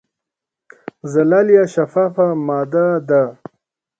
زلالیه شفافه ماده ده.